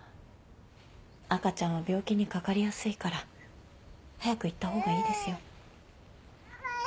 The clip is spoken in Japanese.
赤ちゃんは病気にかかりやすいから早く行った方がいいですよ。